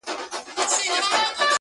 • کشکي ټول وجود مي یو شان ښکارېدلای -